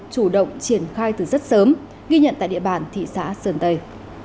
chủ động triển khai từ rất sớm ghi nhận tại địa bàn thị xã sơn tây